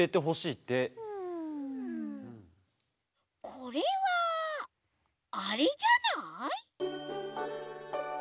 これはあれじゃない？